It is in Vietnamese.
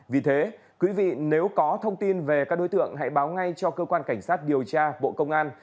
vì thế quý vị nếu có thông tin về các đối tượng hãy báo ngay cho cơ quan cảnh sát điều tra bộ công an